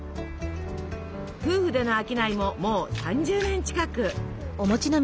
夫婦での商いももう３０年近く。